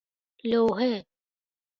لوحه